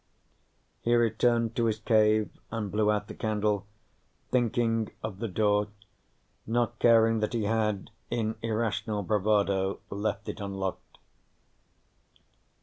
He returned to his cave and blew out the candle, thinking of the door, not caring that he had, in irrational bravado, left it unlocked.